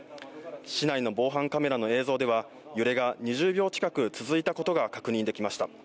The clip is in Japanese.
市内の防犯カメラの映像では、揺れが２０秒近く続いたことが確認できました。